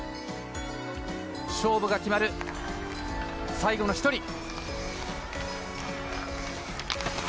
勝負が決まる、最後の１人。